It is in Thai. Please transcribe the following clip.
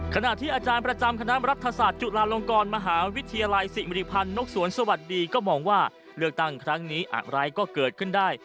ขณะที่อาจารย์ประจำคณะรัฐศาสตร์จุฬาลงกรมหาวิทยาลัยศิริพันธ์นกสวนสวัสดีก็มองว่าเลือกตั้งครั้งนี้อะไรก็เกิดขึ้นได้